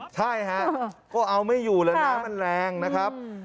ใช่ฮะก็เอาไม่อยู่แล้วน้ำมันแรงนะครับ